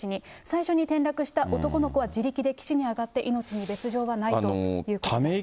最初に転落した男の子は自力で岸に上がって、命に別状はないということです。